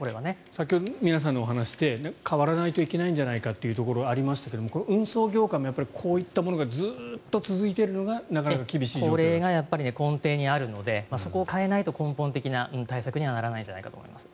先ほど皆さんのお話で変わらないといけないんじゃないかというところがありましたが運送業界もこういったものがずっと続いているのがこれが根底にあるのでそこを変えないと根本的な対策にはならないと思います。